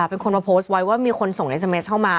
เป็นคนมาโพสต์ไว้ว่ามีคนส่งในสเมสเข้ามา